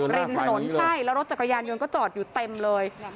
ริมถนนใช่แล้วรถจักรยานยนต์ก็จอดอยู่เต็มเลย